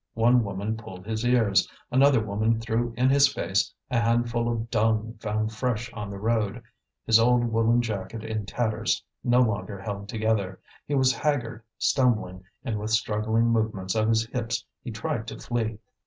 One woman pulled his ears, another woman threw in his face a handful of dung found fresh on the road. His old woollen jacket in tatters no longer held together. He was haggard, stumbling, and with struggling movements of his hips he tried to flee.